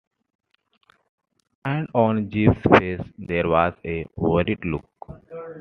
And on Jip’s face there was a worried look.